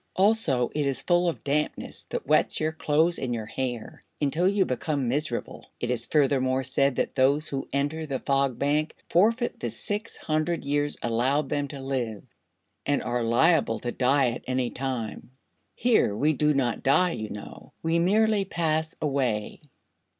Also it is full of dampness that wets your clothes and your hair until you become miserable. It is furthermore said that those who enter the Fog Bank forfeit the six hundred years allowed them to live, and are liable to die at any time. Here we do not die, you know; we merely pass away."